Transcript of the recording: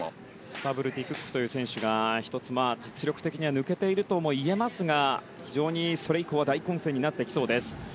スタブルティ・クック選手が、実力的には抜けているともいえますが非常に、それ以降は大混戦になってきそうです。